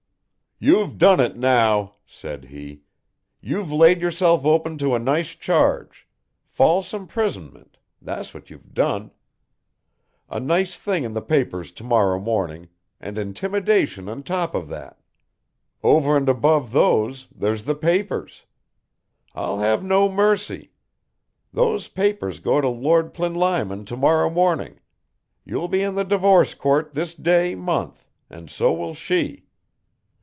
"You've done it now," said he, "you've laid yourself open to a nice charge, false imprisonment, that's what you've done. A nice thing in the papers to morrow morning, and intimidation on top of that. Over and above those there's the papers. I'll have no mercy those papers go to Lord Plinlimon to morrow morning, you'll be in the divorce court this day month, and so will she.